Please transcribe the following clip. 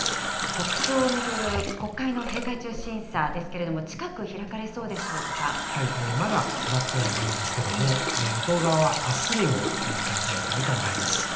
国葬を巡る国会の閉会中審査ですけれども、近く開かれそうでしょまだ決まってはいないんですけれども、与党側はあすにも開催したい考えです。